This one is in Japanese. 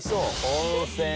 温泉。